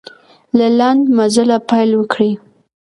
له لنډ مزله پیل وکړئ.